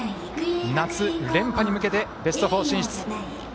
夏、連覇に向けてベスト４進出。